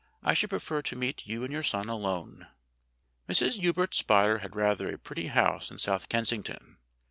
I should prefer to meet you and your son alone." Mrs. Hubert Spotter had rather a pretty house in South Kensington.